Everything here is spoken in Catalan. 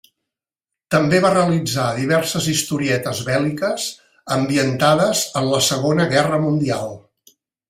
També va realitzar diverses historietes bèl·liques, ambientades en la Segona Guerra Mundial.